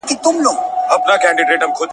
غوټۍشانه